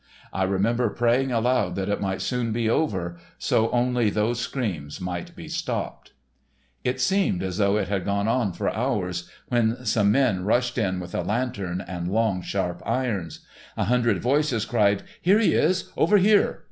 I remember praying aloud that it might soon be over, so only those screams might be stopped. It seemed as though it had gone on for hours, when some men rushed in with a lantern and long, sharp irons. A hundred voices cried: "Here he is, over here!"